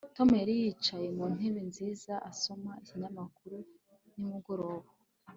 Tom yari yicaye mu ntebe nziza asoma ikinyamakuru nimugoroba